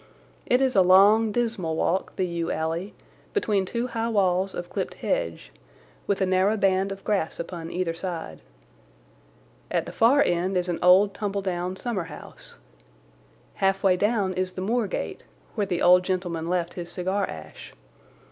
It is a long, dismal walk, the yew alley, between two high walls of clipped hedge, with a narrow band of grass upon either side. At the far end is an old tumble down summer house. Halfway down is the moor gate, where the old gentleman left his cigar ash.